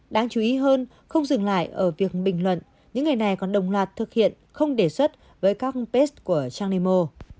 đáng chú ý hơn không dừng lại ở việc bình luận những người này còn đồng loạt thực hiện không đề xuất với các past của trang nemo